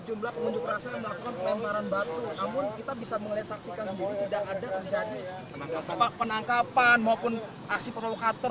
namun kita bisa melihat saksikan sendiri tidak ada terjadi penangkapan maupun aksi provokator